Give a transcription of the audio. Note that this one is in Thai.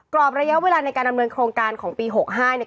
กรอบระยะเวลาในการดำเนินโครงการของปี๖๕เนี่ย